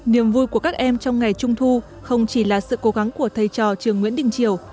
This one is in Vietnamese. niềm vui của các em trong ngày trung thu không chỉ là sự cố gắng của thầy trò trường nguyễn đình triều